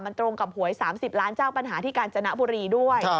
มันตรงกับหวย๓๐ล้านเจ้าปัญหาที่กาญจนบุรีด้วย